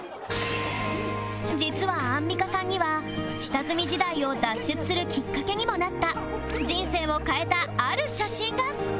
実はアンミカさんには下積み時代を脱出するきっかけにもなった人生を変えたある写真が